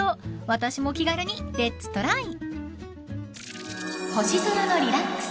［私も気軽にレッツトライ！］